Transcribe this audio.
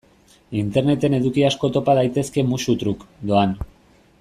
Interneten eduki asko topa daitezke musu-truk, doan.